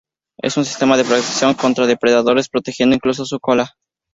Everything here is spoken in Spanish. Es un sistema de protección contra sus depredadores; protegiendo incluso su cola.